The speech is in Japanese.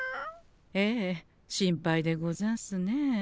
ええ心配でござんすね。